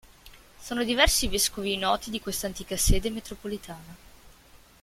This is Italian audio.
Sono diversi i vescovi noti di questa antica sede metropolitana.